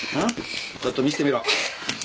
ちょっと診せてみろ。